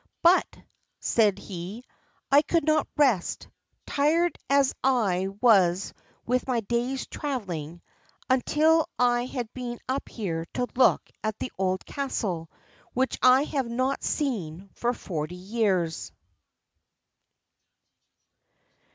"But," said he, "I could not rest, tired as I was with my day's travelling, until I had been up here to look at the old castle, which I have not seen for forty years."